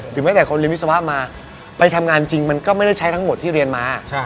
แม้แต่คนเรียนวิศวะมาไปทำงานจริงมันก็ไม่ได้ใช้ทั้งหมดที่เรียนมา